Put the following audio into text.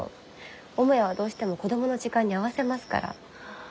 母屋はどうしても子供の時間に合わせますから。